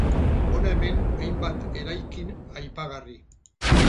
Hona hemen hainbat eraikin aipagarri.